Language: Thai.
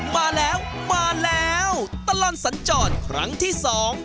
มาแล้วมาแล้วตลอดสัญจรครั้งที่สอง